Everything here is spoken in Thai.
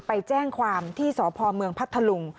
ไปแจ้งความที่สพเมืองพัทธลุง